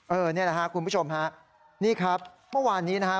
เออนี่นะฮะคุณผู้ชมฮะนี่ครับเมื่อวานนี้นะฮะ